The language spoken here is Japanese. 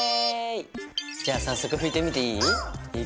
じゃあ早速拭いてみていい？